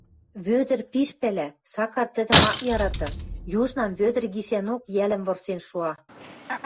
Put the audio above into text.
Вӧдӹр пиш пӓлӓ: Сакар тӹдӹм ак яраты, южнам Вӧдӹр гишӓнок йӓлӹм вырсен шуа.